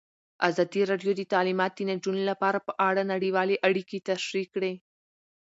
ازادي راډیو د تعلیمات د نجونو لپاره په اړه نړیوالې اړیکې تشریح کړي.